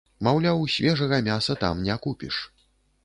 Маўляў, свежага мяса там не купіш.